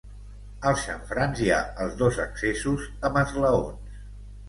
Als xamfrans hi ha els dos accessos, amb esglaons.